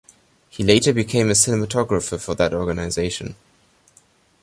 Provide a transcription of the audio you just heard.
He later became a cinematographer for that organization.